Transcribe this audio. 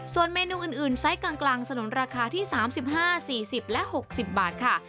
ส่วนเมนูอื่นไซส์กลางสนุนราคาที่๓๕๔๐และ๖๐บาทค่ะ